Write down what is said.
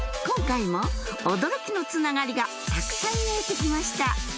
今回も驚きのつながりがたくさん見えて来ました